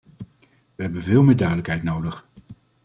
We hebben veel meer duidelijkheid nodig.